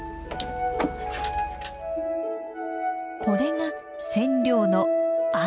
これが染料の藍。